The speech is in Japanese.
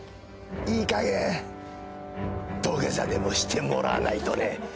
いいかげん土下座でもしてもらわないとね。